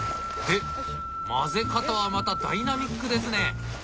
で混ぜ方はまたダイナミックですね！